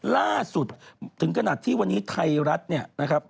ล่าสุดถึงขนาดที่วันนี้ไทยรัฐเนี่ยนะครับ